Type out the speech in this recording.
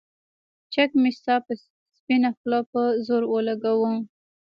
چک مې ستا پۀ سپينه خله پۀ زور اولګوو